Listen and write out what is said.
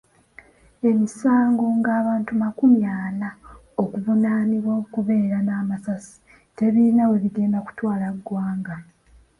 Emisango ng‘abantu makumi ana okuvunaanibwa okubeera n'amasasi tebirina we bigenda kutwala ggwanga.